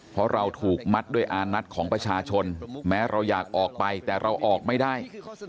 เพราะเราถูกมัดด้วยอานัทของประชาชนแม้เราอยากออกไปแต่เราออกไม่ได้